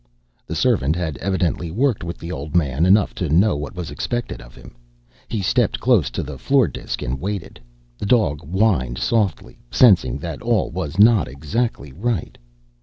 The servant had evidently worked with the old man enough to know what was expected of him. He stepped close to the floor disk and waited. The dog whined softly, sensing that all was not exactly right.